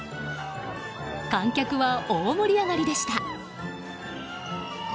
観客は大盛り上がりでした。